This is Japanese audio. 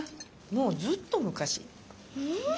もうずっと昔。